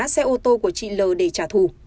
xe ô tô của chị l để trả thù